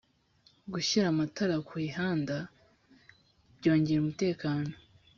gushyira amatara ku ihanda byongera umutekano